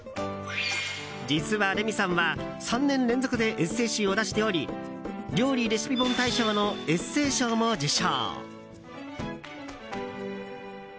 実はレミさんは、３年連続でエッセー集を出しており料理レシピ本大賞のエッセイ賞も受賞。